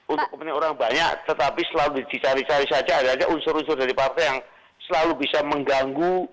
untuk kepentingan orang banyak tetapi selalu dicari cari saja ada saja unsur unsur dari partai yang selalu bisa mengganggu